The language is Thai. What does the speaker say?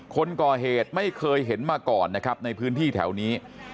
คนก่อเหตุไม่เคยเห็นมาก่อนนะครับในพื้นที่แถวนี้